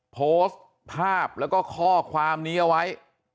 โพสต์ภาพแล้วก็ข้อความนี้เอาไว้